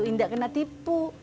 tidak kena tipu